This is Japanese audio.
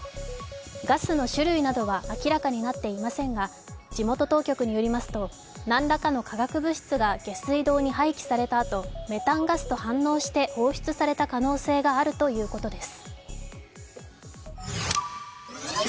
ガスの種類などは明らかになっていませんが地元当局によりますと、何らかの化学物質が下水道に廃棄されたあとメタンガスと反応して放出された可能性があるということです。